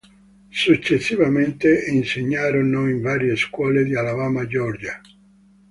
Successivamente insegnarono in varie scuole di Alabama e Georgia.